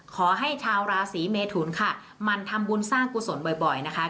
ชาวราศีเมทุนค่ะมันทำบุญสร้างกุศลบ่อยนะคะ